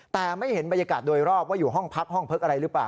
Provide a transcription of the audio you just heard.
แต่ไม่เห็นบรรยากาศโดยรอบว่าอยู่ห้องพักห้องพักอะไรหรือเปล่า